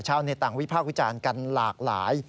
ชาวในต่างวิภาควิจารณ์กันหลากหลาย